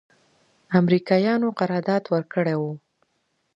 امریکایانو قرارداد ورکړی و.